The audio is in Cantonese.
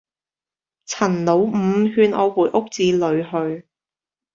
陳老五勸我回屋子裏去。